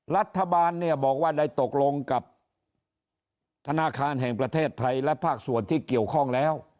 รัฐบาลเนี่ยบอกว่าได้ตกลงกับธนาคารแห่งประเทศไทยและภาคส่วนที่เกี่ยวข้องแล้ว